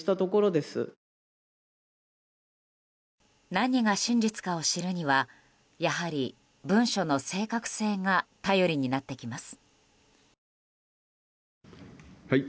何が真実かを知るにはやはり文書の正確性が頼りになってきます。